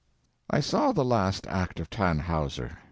I saw the last act of "Tannhauser."